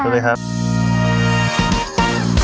โปรดติดตามตอนต่อไป